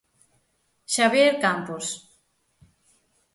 Xavier Campos.